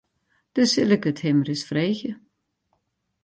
Dus sil ik it him ris freegje.